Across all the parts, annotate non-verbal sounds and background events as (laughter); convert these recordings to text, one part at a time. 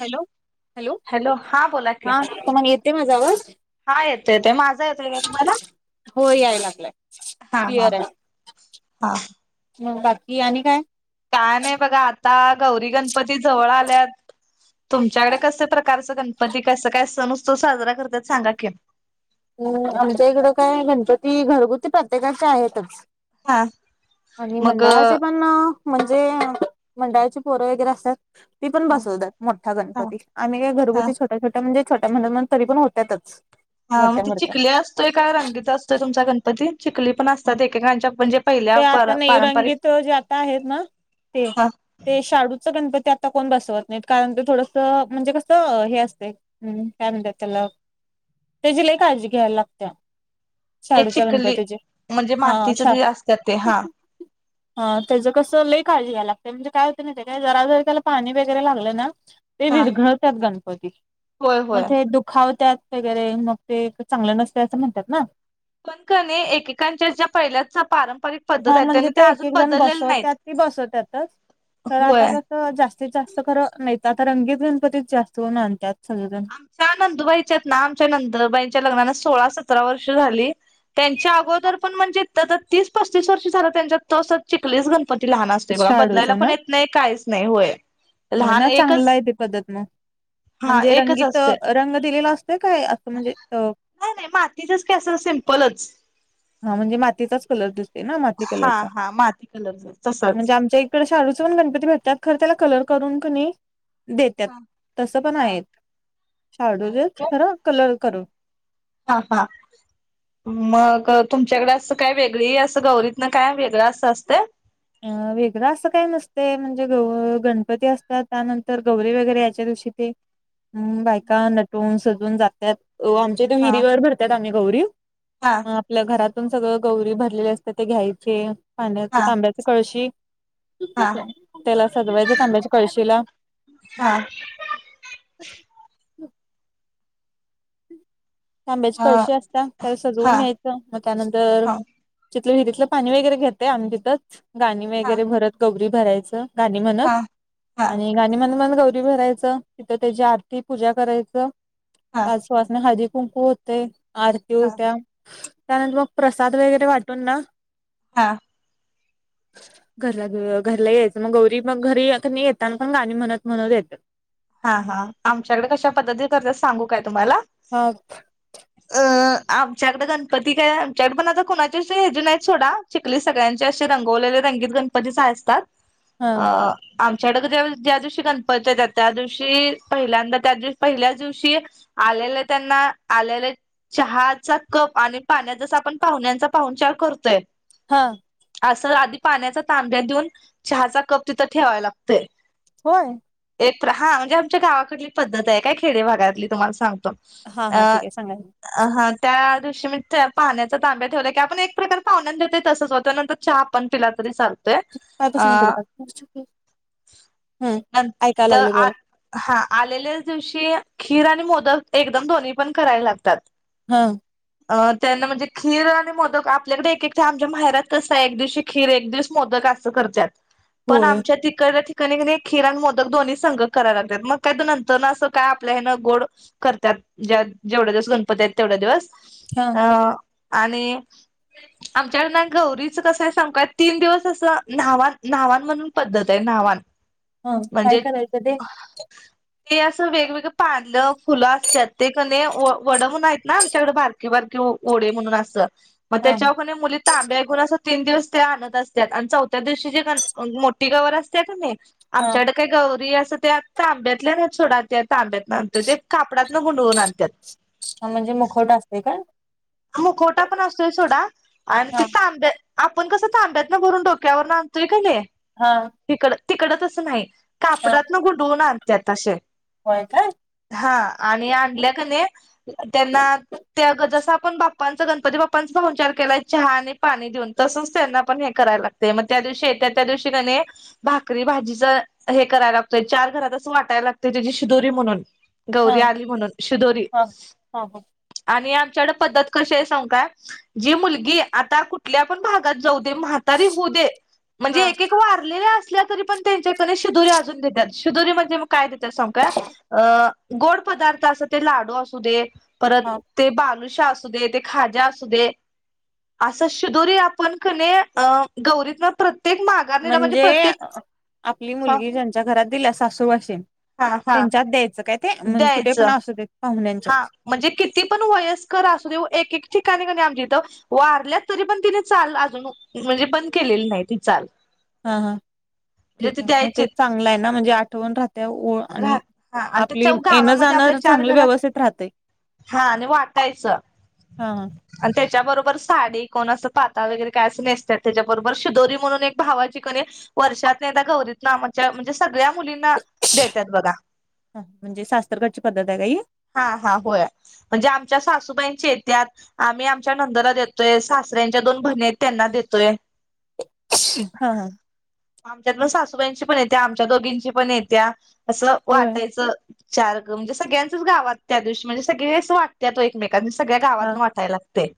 Hello hello हा बोला की हा तम्हाला येतोय माझा आवाज हा येतोय येतोय माझा येतोय का तुम्हाला हो याय लागलाय हा हा क्लिअर हा आहे मग बाकी आणि काय काय नाही बघा आता गौरी गण पती ज आल्यात तुमच्याकडं कसं प्रकारचं गण पती कसं काय सण उत्सव साजरा करत्यात सांगा कि ह आमच्या इकडं काय गणपती घरगुती प्रत्येकाचं आहेतच आणि मग मंडळाचे पण म्हणजे मंडाळाची पोरं वगैरे असतात ती पण हा बसवतात मोठा गणपती हा आम्ही काय घरगुती छोट्या छोट्या म्हणजे छोट्या म्हणत म्हणत तरी पण होतातच हा मग ती चिखली असतोय का रंगीत असतोय तुमचा गणपती चिखली पण असतात एकेकांच्यात म्हणजे पहिल्या ते पर आता नाही पारंपरिक रंगीत जे आता आहेत ना ते ते शाडूच गणपती आता कोण बसवत नाहीत कारण ते थोडसं म्हणजे कसं हे असतय हम्म काय म्हणत्यात त्याला त्याची लई काळजी घ्यायला लागत्या ते चिकली म्हणजे मातीच ते असत्यात ते हा (inaudible) ह त्याच कसं लई काळजी घ्यावी लागते म्हणजे काय होत नाही ते काय जरा जरी त्याला पाणी वगैरे लागलं ना ते हा विरघळतात गणपती होय मग होय ते दुखावत्यात वगैरे मग ते चांगलं नसतय असं म्हणतात ना पण कणी एकेकांच्या ज्या पहिल्याच्या पारंपरिक पद्धत हा आहेत म्हणजे त्याने ते त्या एक अजून एक जण बदललेल्या बसवत्यात नाहीत. ती बसवत्यातच तर आता होय. कसं तर जास्तीत जास्त खरं नाही आता रंगीत गणपतीच जास्त करून आणतात सगळेजण त्या नंदूबाईच्या आहेत ना आमच्या नंदबाईंच्या लग्नाला सोळा सतरा वर्ष झाली त्यांच्या अगोदर पण म्हणजे त आता तीस पस्तीस वर्ष झालं त्यांच्यात तो असा चिकलीच गणपती पण ती लहान असते बघा बदलायला शाडूचा पण येत नाही काहीच नाही होय मग लहान ना चांगलं एकच आहे ते पद्धत मग हा म्हणजे एकच रंगीत असतोय. तो रंग दिलेला असतोय काय असं म्हणजे तो नाही नाही मातीचाच की असं सिम्पलच हा म्हणजे मातीचाच कलर दिसतोय ना माती हा कलरचा हा माती कलरच तसच. म्हणजे आमच्या इक डे शाडूचे पण गणपती भेटतात खर त्याला कलर करून क नाही देत्यात हा तस पण हा आहेत आहेत शाडूचं काय खरं कलर करून हा हा मग तुमच्याकडे असं काय वेगळी असं गौरीत ना काय वेगळं असं असते अ वेगळं असं काही नसतंय म्हणजे गव गणपती असतात त्यानंतर गौरीे वगैरे यायच्या दिवशी ते हम् बायका नटून सजून जात्यात अ आमच्या इथे विहिरीवर भरत्यात आम्ही गौरी हां मग आपल्या घरातून सगळं गौरी भरलेले असते ते घ्यायचे पाण्याचं हा तांब्याचं कळशी हा त्याला सजवायचं तांब्याच्या कळशीला हा ताब्याची हा कळशी असत्या. त्याला सजवून हा न्यायचं मग त्यानंतर हा तिथलं विहिरीतलं पाणी वगैरे घेतय आम्ही तिथच. गाणी वगैरे हा भरत गौरी भरायचं. गाणी म्हणत हा हा आणि गा णी मन मन गौरी भरायचं तिथ त्याची आरती, पूजा करायचं हा पाच सवसण्या हळदी कुंकू कुंकू होते. आरती होत्या. त्यानंतर मग प्रसाद वगैरे वाटून ना. हा. (inaudible) घरला घ घरला यायचं. मग गौरी मग घरी येतान कणी पण गाणी म्हणत म्हणत येत्यात. हा हा आमच्याकडे कशा पद्धती करत्यात सांगू काय तुम्हाला? ह. अं आमच्याकडें गणपती काय आमच्याकडे पण आता कुणाची हेजी नाहीत सोडा. चिखली सगळ्यांचे असे रंगवलेले रंगीत गणपतीच असतात. हा अ आमच्याकडे ज्या ज्या दिवशी गणपत्या येतात. त्या दिवशी पहिल्यांदा त्या दिवशी पहिल्याच दिवशी आलेले त्यांना आलेले चहाचा कप आणि पाण्याचा जसा आपण पाहुण्यांचा पाहून चार करतोय. हा. असं आधी पाण्याचा तांब्या देऊन चहाचा कप तिथं ठेवाय लागतोय. होय. एक हा म्हणजे आमच्या गावाकडली पद्धत आहे. काय खेडे भागातली तुम्हाला सांगतो. हा हा ठीक आहे सांगा की. अ हा त्या दिवशी मी त्या पाहण्याचा तांब्या ठेवला की, आपण एक प्रकार पाहुण्यांना देतोय तसच वो त्यानंतर चहा आपण पिला तरी चालतोय. पायपासून इकडं काढ हम्म ऐकायला तर लागलोय बोला आत हा आलेल्याच दिवशी खीर आणि मोदक एकदम दोन्ही पण कराय लागतात. हा. अ त्यांना म्हणजे खीर आणि मोदक आपल्याकडे एकेक टा आमच्या माहेरात कसं आहे एक दिवशी खीर, एक दिवस मोदक अस करत्यात पण होय. आमच्या तिकडल्या ठिकाणी कणी खीर आणि मोदक दोन्ही संघ कराय लागत्यात. मग काय त्यानंतर ना असं काय आपल्या हिने गोड करत्यात. ज्या जेवढ्या दिवस गणपती आहेत. तेवढ्या दिवस हा अं. आणि आमच्याकडन गौरीचं कसं आहे सांगू का? तीन दिवस असं न्हावाण न्हावाण म्हणून पद्धत आहे न्हावाण. हा काय म्हणजे, करायचं ते ते असं वेगवेगळे पान, फुलं असत्यात. ते कणी वड म्हनून आहेत ना आमच्याकडे भार कि बारिकी ओढे म्हणून अस मग हा त्याच्यावर कणी मुली तांब्या घेऊन अस तीन दिवस ते आणत असतात. आणि चौथ्या दिवशी जे मोठी गवर असत्या कणी हा आमच्याकड काही गौरी असं ते तांब्यातल्या नाहित सोडा त्या तांब्यात बांधतोय ते कापडातन गुंडाळून आणतात. म्हणजे मुखवट असते काय. मुखवटा पण असतोय सोडा. आणि ते हा तांब्या आपण कसं ताब्यातन भरून डोक्यावर ना आणतोय कणी हा. तिकड तिकड तसं नाही हा कापडातन गुंडळून आणत्यात असे. होय काय. हा आणि आणल्या कणी त्यांना त्या अगोदर आपण बाप्पांचा गणपती बाप्पांचा पाहुणचार केलाय चहा आणि पाणी देऊन तसंच, त्यांना पण हे करायला लागते. ते म त्या दिवशी येत्यात, त्या दिवशी कनी. भाकरी भाजीच हे करायला लागतोय, चार घरातच असं वाटायां लागतय त्याची शिदोरी म्हणून. हा गौरी आली म्हणून शिदोरी, हा हा हा आणि आमच्याकडं पद्धत कशी हाय सांगूकाय, जी मुलगी आता कुठल्या पण भागात जाऊ दे म्हा तारी होऊं दे, म्हणजे हा एक एक वारलेल्या असल्या तरी पण तेनच्यात कनी शिदुरी अजून देत्यात, शिदोरी म्हणजे म काय देत्यात सांगू काय? अ गोड पदार्थ अस ते, लाडू असू दे, परत हा ते बालू शा असू दे, ते खाजा असू दे. असं शिदोरी आपण कनी अं गौरीत ना प्रत्येक माण म्हणजे आपली हा मुलगी ज्यांच्या घरात दिल्या, सासूरवाशीन. हा हा त्यांच्यात द्यायचं काय ते, मंग कुठे पण द्यायचं असू देत हा पाहुण्यांच्यात. म्हणजे किती पण वयस्कर असू देऊ, एक एक ठिकाणी कनी आमच्या इथं वारल्यात, तरी पण तिने चाल अजून म्हणजे बंद केलेली नाही ती चाल. हा हा म्हणजे ठीक ती आहे म द्यायची ते चांगलं आहे ना म्हणजे आठवण राहत्यां ओ राह आणि हा आणि आपली त्याच्या येण गावामध्ये जाणं, आपल्या चार चांगलं घरात व्यवस्थित राहतय. हा आणि वाटायचं. हा हां! आण त्याच्याबरोबर साडी कोण असं पाताळ वगैरे काय असं नेसत्यां, त्याच्याबरोबर शिदोरी म्हणून एक भावाची कनी वर्षातनं एकदा गौरीत ना आमच्या म्हणजे सगळ्या मुलींना देत्यांत बघा. ह म्हणजे सासरकडची पद्धत हाय का ही. हा हा होय म्हणजे आमच्या सासूबाईंचेे येत्यात. आम्ही आमच्या नंदला देतोय, सासऱ्यांच्या दोन भणी हायत त्यांना देतोय. हा ह! आमच्यातल सासूबाईंची पण येत्या, आमच्या दोघींची पण येत्या, असं होय वाटायचं चारगं म्हणजे सगळ्यांचच गावात त्या दिवशी म्हणजे सगळेच वाटत्यांत हो एकमेकांना सगळ्या हा गावातन वाटायला. ते!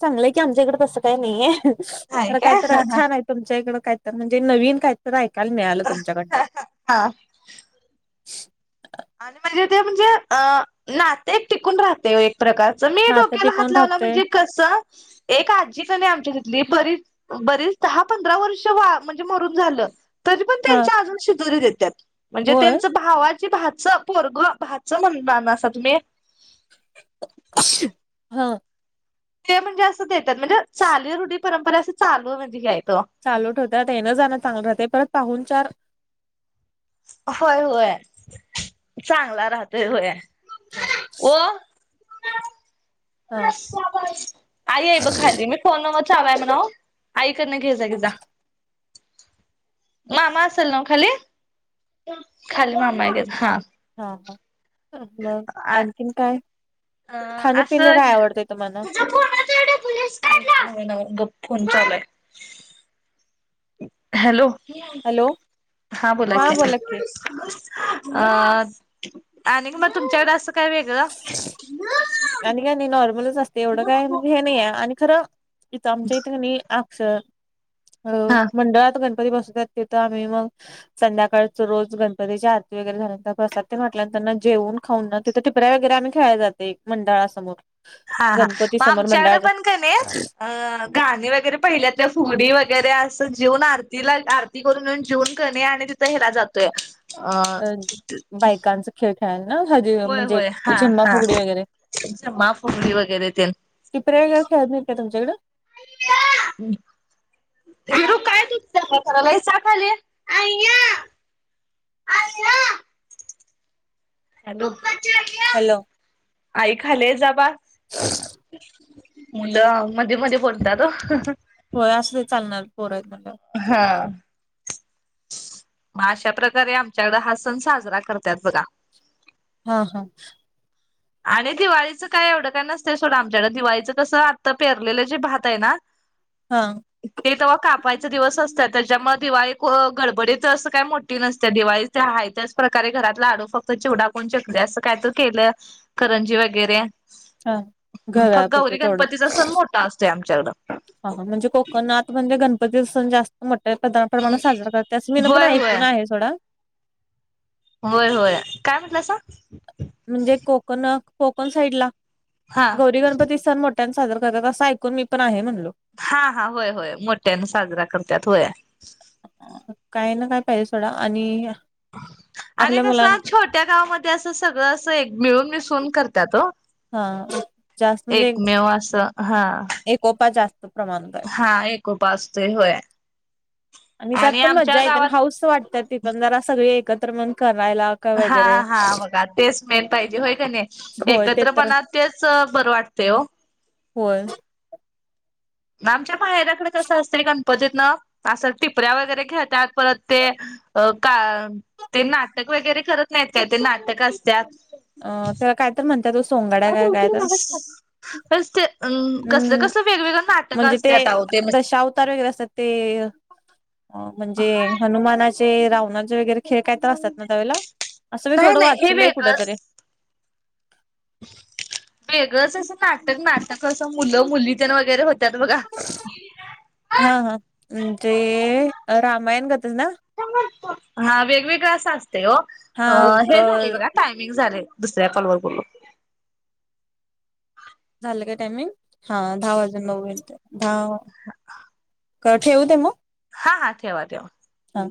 चांगलंय की आमच्या इकडे तसं काय नाहीये, नाही तर काय तर हा छान आहेत. तुमच्या इकंड काहीतर, म्हणजे नवीन काहीतर ऐकायला मिळालं हा तुमच्याकडनं. हा! आणि म्हणजे ते म्हणजे अ नाते टिकून राहते वो एक. प्रकारच मी नातं डोक्याला हात टिकून लावला राहतय म्हणजे कसं, एक आजी कनी आमच्या तिथली बरीच बरीच दहा पंधरा वर्ष वा म्हणजे मरून झालं. तरी पण हा त्यांच्या अजून शिदोरी देत्यांत म्हणजे होय त्यांच भावा च भा वाचं पोरग भाचं म्हणनाना सा तुम्ही. हा! ते म्हणजे असं देतात, म्हणजे चाली रुढी परंपरा असं चालू म्हणजे ह्यां इथं. चालू ठेवतात, येणं जाणं चांगलं राहतय, परत पाहूणचार. होय होय चांगला राहतोय होय. हा! ओ हा आई हे ब खाली, मी फोन वर चालू हाय म्हणाव. आईकडनं घे जा घे जा, मामा असल नव खाली. खाली मामा आहे घे हा. हा हा नग आ आणखीन काय? अ खाणं पिन असं काय आवडतंय तुमाला? (unintelligible) गप फोन चालू हाय. हॅलो, हॅलो हा बोला की. अ आणिक मग तुमच्याकडे असं काय वेगळं? आणि काय नाही नॉर्मलच असते एवढं काय म्हणजे हे हा नाही. आणि खरं इथं आमच्या इथं की नही असं हो. मंडळात गणपती बसतात तिथं आम्ही मग संध्याकाळच रोज गणपतीची आरती वगैरे झाल्यानंतर प्रसाद ते वाटल्यानंतरन जेवून खाऊन ना तिथ टिपऱ्या वगैरे आम्ही खेळय जातो मंडळासमोर. हा हा, गणपती म समोर आमच्याकड मंडळाच्या पण का नाही अ गाणी वगैरे पहिल्यातल्या फुगडी वगैरे असं जेउन आरतीला आर ती करून अन जेवून कणे आणि तिथं हेला जातोय अं अ बायकांचा खेळ खेळायला ना हळदी होय म्हणजे होय. हा झिम्मा हा फुगडी वगैरे झिम्मा, फुगडी वगैरे तेन. टिपऱ्या वगैरे खेळत नाही का तुमच्याकड? हं (unintelligible) हॅलो, हॅलो. आई खाली आहे. जा बा मुलं मध्ये मध्ये बोलतात ओ. होय. असू दे, चालणार पोरय म्हटल्यावर. हा. मग अशा प्रकारे आमच्याकड हा सण साजरा करतात बघा. हं हं. आणि दिवाळीचं काय एवढं काय नसतंय सोडं आमच्याकड. दिवाळीचं कसं आत्ता पेरलेले जे भात आहे ना हं, ते तेव्हा कापायचे दिवस असतात. त्याच्यामुळे दिवाळी को गडबडीत असं काही मोठी नसते दिवाळी. ते आहे त्याच प्रकारे घरातला लाडू फक्त चिवडा कोण चकल्या असं काय तर केलं, करंजी वगैरे. हा फक् गौरी घरापुरतं तेवढंच गणपतीचा सण मोठा असतोय आमच्याकडं. हं हं. म्हणजे कोकणात म्हणजे गणपतीचा सण जास्त मोठया प्रदा प्रमाणात साजरा करतात असं मी पण होय होय ऐकून आहे सोडा. होय होय. काय म्हटलं सा? म्हणजे कोकण कोकण साईडला हा गौरी गणपतीचा सण मोठ ट्यानं साजरा करतात असं ऐकून मी पण आहे म्हणलो. हा हा, होय होय. मोठ्याने साजरा करतात होय. काय ना काय पाहिजे सोडा. आणि अं आणि कसं? छोट्या गावामध्ये असं सगळं अस एक मिळून मिसून करत्यात ओ. हां, जास्त म्हणजे, एकमेव असं हा एकोपा जास्त प्रमाण आहे. हा एकोपा असतोय होय. आणि त्यात पण आमच्या मजा येते आणि गावात हाऊस वाटतात ती पण जरा सगळे एकत्र मिळून करायला. का हा वगैरे हा बघा. तेच मेन पाहिजे. होय का नाही? होय ते तर एकत्रपणात तेच बर वाटते ओ. होय. आमच्या पायऱ्याकड कसं असते? गण पतीत ना, असं टिपऱ्या वगैरे खेळत्यात परत ते अ का ते नाटक वगैरे करत नाहीत काय? ते नाटक असतात. अं त्याला काय तर म्हणतात ओ, सोंगाड्या काय काय तर. कस ते अं कसलं हम्म कसलं वेगवेगळं नाटकं असत्यात आओ ते त वगैरे असतात ते म्हणजे हनुमानाचे, रावणारचेे वैगेरे खेळ काय असतात ना नाही त्यावेळेला असं मी थोडं नाही हे वाचलय वेगळंच कुठंतरी वेगळंच असं नाटक नाटक असं मुलं मुली तेन वगैरे होत्यात बघा. हा हा म्हणजे रामायण गतंच ना. हा वेगवेगळं असं असतय ओ हा अं ब हे झालय बघा टाईम मिंग झाले दुसऱ्या कॉलवर बोलू. झालं काय टायमिंग हा दहा वाजून नऊ मिनटं दहा क ठेवू दे मग? हा हा ठेवा ठेवा. हां